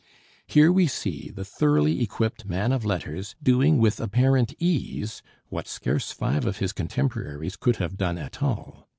Here we see the thoroughly equipped man of letters doing with apparent ease what scarce five of his contemporaries could have done at all.